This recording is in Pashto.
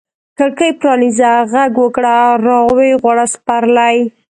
کړکۍ پرانیزه، ږغ وکړه را وغواړه سپرلي